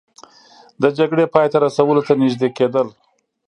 د جګړې پای ته رسولو ته نژدې کیدل